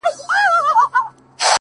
o هغه اوس اوړي غرونه غرونه پـــرېږدي؛